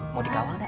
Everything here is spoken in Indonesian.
mau dikawang nggak